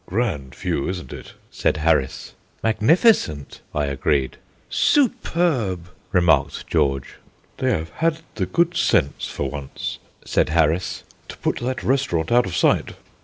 "Grand view, isn't it?" said Harris. "Magnificent," I agreed. "Superb," remarked George. "They have had the good sense for once," said Harris, "to put that restaurant out of sight."